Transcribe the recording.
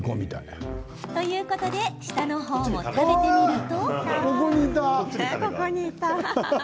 ということで下の方も食べてみると。